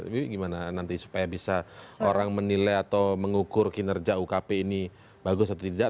bibi gimana nanti supaya bisa orang menilai atau mengukur kinerja ukp ini bagus atau tidak